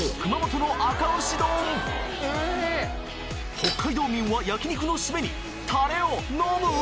北海道県民は焼き肉のシメにタレを飲む？